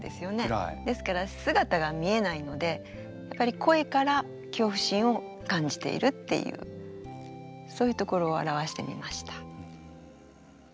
ですから姿が見えないのでやっぱり声から恐怖心を感じているっていうそういうところを表してみました。